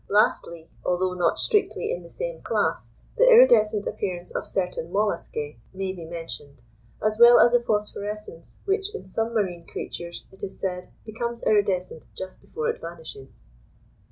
Lastly, although not strictly in the same class, the iridescent appearance of certain molluscæ may be mentioned, as well as the phosphorescence which, in some marine creatures, it is said becomes iridescent just before it vanishes.